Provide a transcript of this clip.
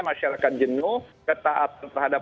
masyarakat jenuh ketaatan terhadap